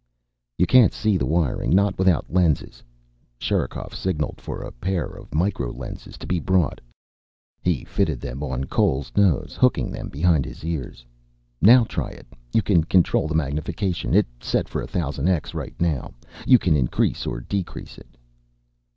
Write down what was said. "You can't see the wiring. Not without lenses." Sherikov signalled for a pair of micro lenses to be brought. He fitted them on Cole's nose, hooking them behind his ears. "Now try it. You can control the magnification. It's set for 1000X right now. You can increase or decrease it."